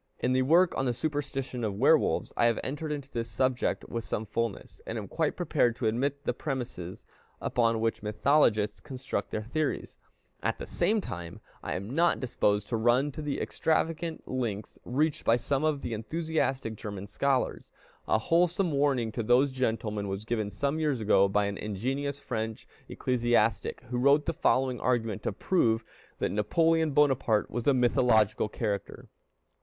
In a work on the superstition of Werewolves, I have entered into this subject with some fulness, and am quite prepared to admit the premises upon which mythologists construct their theories; at the same time I am not disposed to run to the extravagant lengths reached by some of the most enthusiastic German scholars. A wholesome warning to these gentlemen was given some years ago by an ingenious French ecclesiastic, who wrote the following argument to prove that Napoleon Bonaparte was a mythological character.